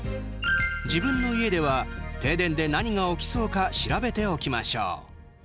自分の家では停電で何が起きそうか調べておきましょう。